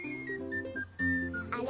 あれ？